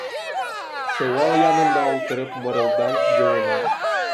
— Сыуал янында ултырып мырылдай, йыуына.